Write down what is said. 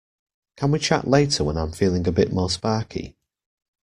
Can we chat later when I'm feeling a bit more sparky?